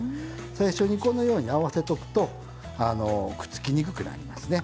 最初にこのように合わせとくとくっつきにくくなりますね。